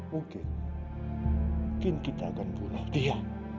mungkin mungkin kita akan bunuh dia